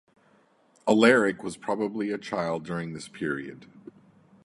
Alaric was probably a child during this period.